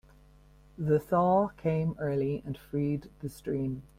The thaw came early and freed the stream.